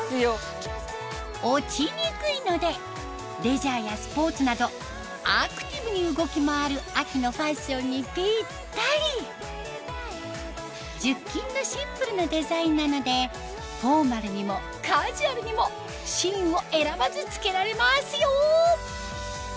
落ちにくいのでレジャーやスポーツなどアクティブに動き回る秋のファッションにぴったり１０金のシンプルなデザインなのでフォーマルにもカジュアルにもシーンを選ばず着けられますよ